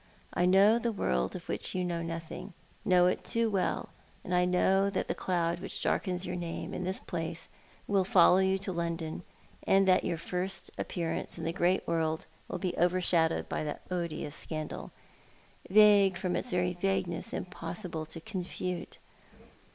I know the world of which you know nothing— know it too well — and I know that the cloud which darkens your name in this place will follow you to London, and that your first appearance in the great world will be overshadowed by that odious scandal — vague — from its very vagueness impossible to confute.